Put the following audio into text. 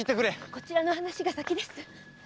こちらの話が先です。